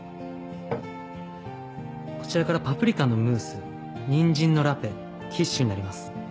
こちらからパプリカのムースにんじんのラペキッシュになります。